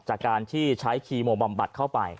จากการที่ใช้คีโมบำบัดเข้าไป